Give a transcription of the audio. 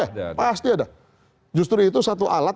eh pasti ada justru itu satu alat